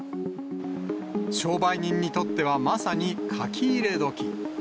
商売人にとっては、まさに書き入れ時。